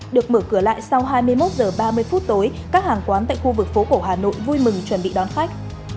được mở cửa lại sau hai mươi một h ba mươi phút tối các hàng quán tại khu vực phố cổ hà nội vui mừng chuẩn bị đón khách